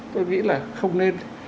tôi nghĩ là không nên